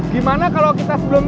gimana kalo kita sebelum